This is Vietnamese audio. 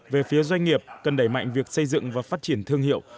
về phía doanh nghiệp cần đẩy mạnh việc xây dựng và phát triển thương hiệu